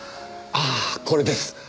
ああこれです！